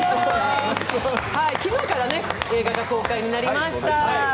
今日から映画が公開になりました。